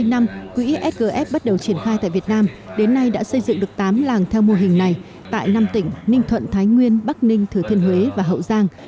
hai năm quỹ sgf bắt đầu triển khai tại việt nam đến nay đã xây dựng được tám làng theo mô hình này tại năm tỉnh ninh thuận thái nguyên bắc ninh thừa thiên huế và hậu giang